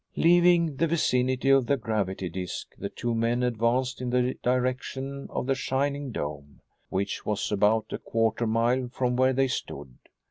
Leaving the vicinity of the gravity disc, the two men advanced in the direction of the shining dome, which was about a quarter mile from where they stood.